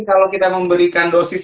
kalau kita memberikan dosis